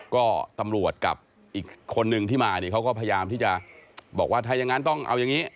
ก็ตำรวจกับอีกคนนึงที่มาเนี่ยเขาก็พยายามที่จะบอกว่าถ้ายังงั้นต้องเอาอย่างนี้